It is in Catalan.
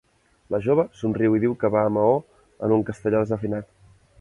La jove somriu i diu que va a Maó en un castellà desafinat.